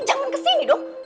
jangan ke sini dong